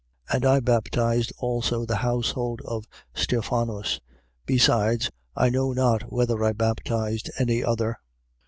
1:16. And I baptized also the household of Stephanus. Besides, I know not whether I baptized any other.